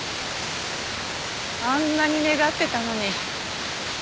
あんなに願ってたのに。